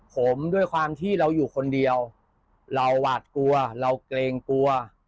ผมด้วยความที่เราอยู่คนเดียวเราหวาดกลัวเราเกรงกลัว